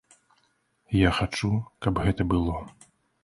Я хачу, каб гэта было.